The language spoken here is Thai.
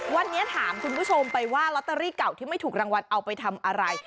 วันนี้ถามคุณผู้ชมไปว่าลอตเตอรี่เก่าที่ไม่ถูกรางวัลเอาไปทำอะไร